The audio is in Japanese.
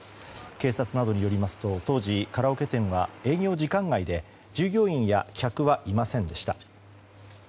警察などによりますと当時、カラオケ店は営業時間外で従業員や客はいませんでした。